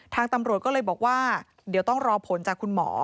ทางตำรวจก็เลยบอกว่าเดี๋ยวต้องรอผลจากคุณหมอ